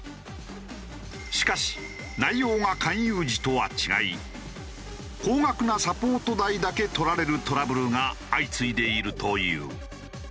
しかし内容が勧誘時とは違い高額なサポート代だけ取られるトラブルが相次いでいるという。